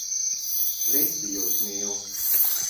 Visi jūs mīl.